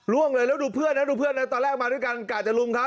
ล่วงเลยแล้วดูเพื่อนน่ะตอนแรกมาด้วยกันกล้าจะลุ้ง